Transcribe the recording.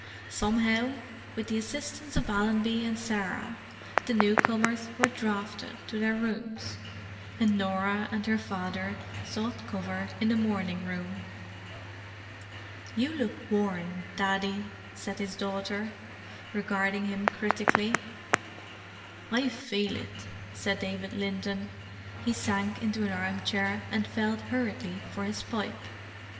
Somehow with the assistance of Allenby and Sarah, the newcomers were "drafted" to their rooms, and Norah and her father sought cover in the morning room. "You look worn, Daddy," said his daughter, regarding him critically. "I feel it," said David Linton. He sank into an armchair and felt hurriedly for his pipe.